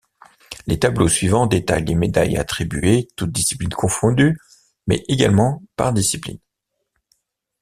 Les tableaux suivants détaillent les médailles attribuées, toutes disciplines confondues mais également par discipline.